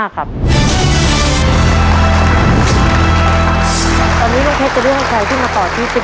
ตัวเลือดที่๑พศ๒๕๔๕